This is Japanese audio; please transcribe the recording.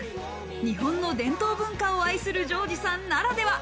日本の伝統文化を愛するジョージさんならでは。